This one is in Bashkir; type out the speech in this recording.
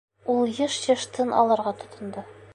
Ул йыш-йыш тын алырға тотондо.